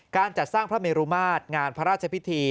การจัดสร้างพระเมรุมาตรงานพระราชพิธี